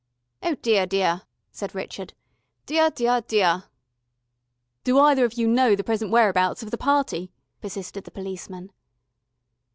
"Oh deah, deah," said Richard. "Deah, deah, deah...." "Do either of you know the present whereabouts of the party?" persisted the policeman.